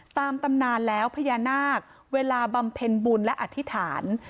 ตำนานแล้วพญานาคเวลาบำเพ็ญบุญและอธิษฐาน